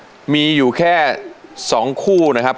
ตัวละครนี้มีอยู่แค่สองคู่นะครับ